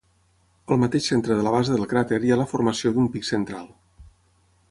Al mateix centre de la base del cràter hi ha la formació d'un pic central.